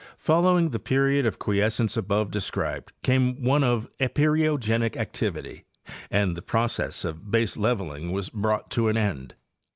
Following the period of quiescence above described came one of epeirogenic activity, and the process of baseleveling was brought to an end.